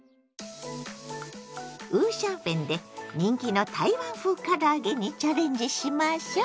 五香粉で人気の台湾風から揚げにチャレンジしましょ！